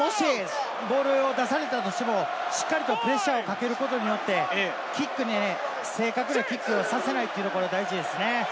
もしボールを出されたとしてもしっかりとプレッシャーをかけることによって正確なキックをさせないというのが大事ですね。